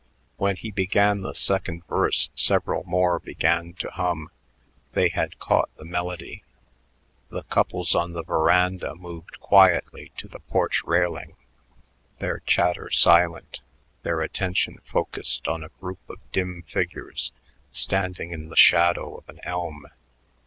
When he began the second verse several more began to hum; they had caught the melody. The couples on the veranda moved quietly to the porch railing, their chatter silent, their attention focused on a group of dim figures standing in the shadow of an elm.